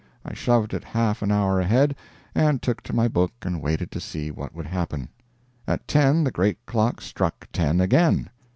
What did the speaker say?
I shoved it half an hour ahead; and took to my book and waited to see what would happen. At 10 the great clock struck ten again.